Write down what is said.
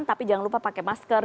tapi jangan lupa pakai masker